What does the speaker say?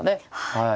はい。